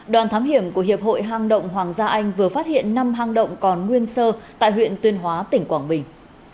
đoàn thám hiểm của hiệp hội hang động hoàng gia anh vừa phát hiện năm hang động còn nguyên sơ tại huyện tuyên hóa tỉnh quảng bình